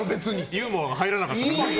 ユーモアが入らなかった。